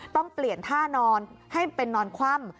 ต้องเปลี่ยนท่านอนให้เป็นนอนคว่ำ